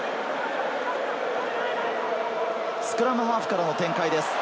スクラムハーフからの展開です。